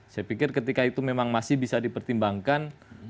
saya pikir ketika itu memang masih bisa dipertimbangkan